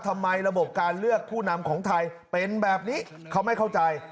ระบบการเลือกผู้นำของไทยเป็นแบบนี้เขาไม่เข้าใจ